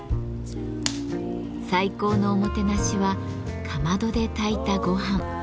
最高のおもてなしはかまどで炊いたごはん。